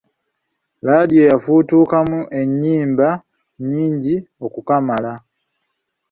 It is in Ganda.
Laadiyo yafutukamu ennyimba nnyingi okukamala.